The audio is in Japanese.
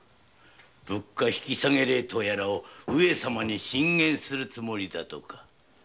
「物価引き下げ令」を上様に進言するつもりだとか？